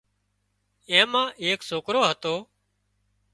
اين مان ايڪ سوڪرو هتو